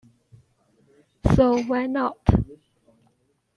So why not?